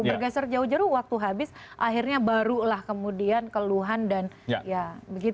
bergeser jauh jauh waktu habis akhirnya barulah kemudian keluhan dan ya begitu